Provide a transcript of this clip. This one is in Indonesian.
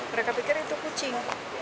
mereka pikir itu kucing